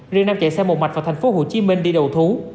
riêng nam chạy xe một mạch vào thành phố hồ chí minh đi đầu thú